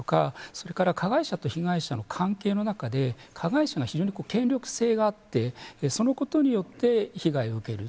それから加害者と被害者の関係の中で加害者が非常に権力性があってそのことによって被害を受ける。